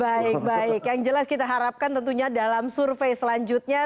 baik baik yang jelas kita harapkan tentunya dalam survei selanjutnya